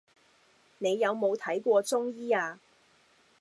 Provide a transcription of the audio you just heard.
你有冇睇過中醫呀